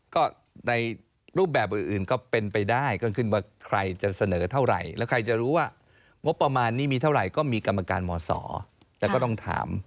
ก็ในรูปแบบอื่นก็เป็นไปได้ก็ขึ้นว่าใครจะเสนอเท่าไหร่แล้วใครจะรู้ว่างบประมาณนี้มีเท่าไหร่ก็มีกรรมการมศแต่ก็ต้องถาม